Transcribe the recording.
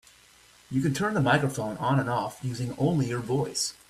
You can turn the microphone on and off using only your voice.